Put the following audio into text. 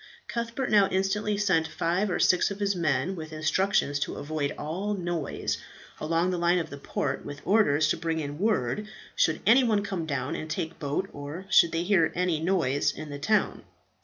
Cuthbert now instantly sent five or six of his men, with instructions to avoid all noise, along the line of the port, with orders to bring in word should any one come down and take boat, or should they hear any noise in the town.